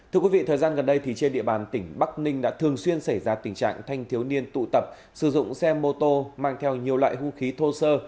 thưa quý vị thời gian gần đây trên địa bàn tỉnh bắc ninh đã thường xuyên xảy ra tình trạng thanh thiếu niên tụ tập sử dụng xe mô tô mang theo nhiều loại hung khí thô sơ